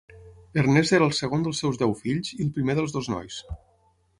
Ernest era el segon dels seus deu fills i el primer dels dos nois.